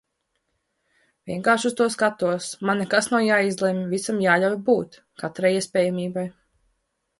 Vienkārši uz to skatos. Man nekas nav jāizlemj, visam jāļauj būt. Katrai iespējamībai.